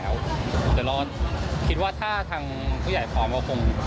แต่เราคิดว่าถ้าทางผู้ใหญ่พร้อมก็คง